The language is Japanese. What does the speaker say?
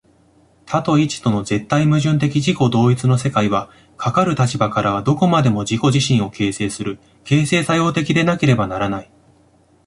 多と一との絶対矛盾的自己同一の世界は、かかる立場からはどこまでも自己自身を形成する、形成作用的でなければならない。